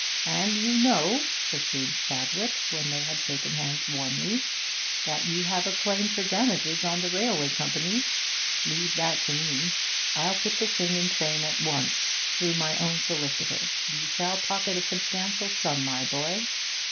'And you know,' pursued Chadwick, when they had shaken hands warmly, 'that you have a claim for damages on the railway company. Leave that to me; I'll put the thing in train at once, through my own solicitor. You shall pocket a substantial sum, my boy!